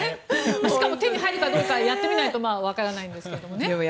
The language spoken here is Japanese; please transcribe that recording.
しかも手に入るかどうかはやってみないとわからないんですけどね。